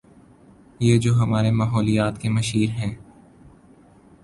یہ جو ہمارے ماحولیات کے مشیر ہیں۔